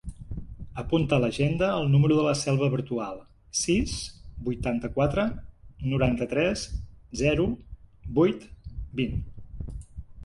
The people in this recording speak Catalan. Apunta a l'agenda el número de la Selva Bartual: sis, vuitanta-quatre, noranta-tres, zero, vuit, vint.